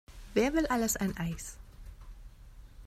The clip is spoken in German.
Wer will alles ein Eis?